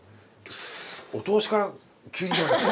お通しから急に。